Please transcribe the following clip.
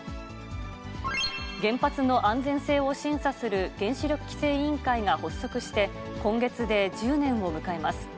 原発の安全性を審査する原子力規制委員会が発足して、今月で１０年を迎えます。